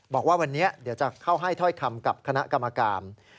บอกว่าวันนี้เดี๋ยวจะเข้าให้ถ้อยคำกับคณะกรรมการ